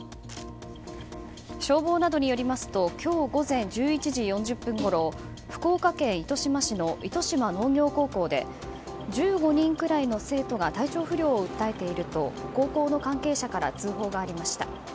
消防などによりますと今日午前１１時４０分ごろ福岡県糸島市の糸島農業高校で１５人くらいの生徒が体調不良を訴えていると高校の関係者から通報がありました。